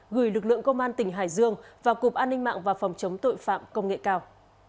gửi lực lượng công an tỉnh hải dương vào cục an ninh mạng và phòng chống tội phạm công nghệ cao